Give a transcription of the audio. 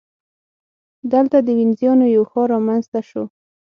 دلته د وینزیانو یو ښار رامنځته شو.